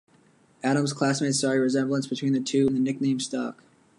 Adams' classmates saw a resemblance between the two, and the nickname stuck.